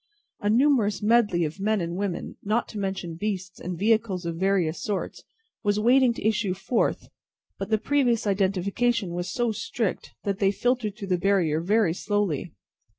A numerous medley of men and women, not to mention beasts and vehicles of various sorts, was waiting to issue forth; but, the previous identification was so strict, that they filtered through the barrier very slowly.